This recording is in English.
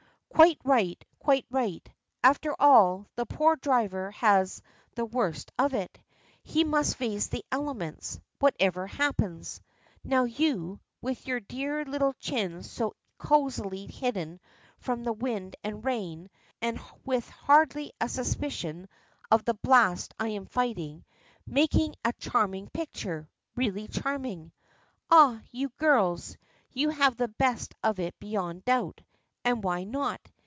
Quite right quite right. After all, the poor driver has the worst of it. He must face the elements, whatever happens. Now you, with your dear little chin so cosily hidden from the wind and rain, and with hardly a suspicion of the blast I am fighting, make a charming picture really charming! Ah, you girls! you have the best of it beyond doubt! And why not?